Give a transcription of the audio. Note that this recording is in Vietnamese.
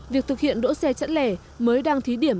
việc thực hiện đỗ xe chẵn lẻ mới đang thí điểm